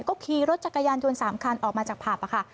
ก็ขี่รถจักรยานยนต์๓คันออกมาจากผับค่ะ